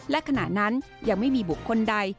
และขณะนั้นยังไม่มีบุคคลใด